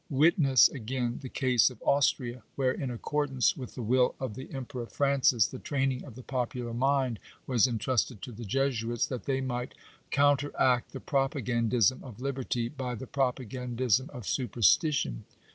Witness, again, the case of Austria, where, in accordance with the will of the Emperor Francis, the training of the popular mind was entrusted to the Jesuits, that they might " counteract the propagandism of liberty, by the propagandism of superstition."